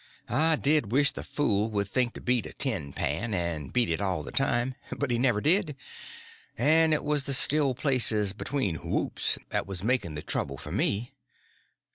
I did wish the fool would think to beat a tin pan, and beat it all the time, but he never did, and it was the still places between the whoops that was making the trouble for me.